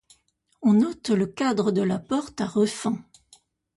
On note le cadre de la porte à refends.